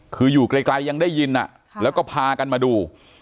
คืออยู่ไกลยังได้ยินแล้วก็พากันมาดู